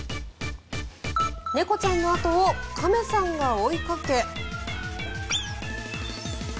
猫ちゃんの後を亀さんが追いかけ。